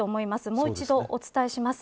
もう一度お伝えします。